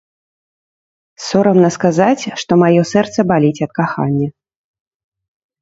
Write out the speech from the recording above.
Сорамна сказаць, што маё сэрца баліць ад кахання.